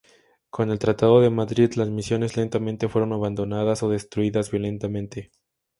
Con el Tratado de Madrid las misiones lentamente fueron abandonadas o destruidas violentamente.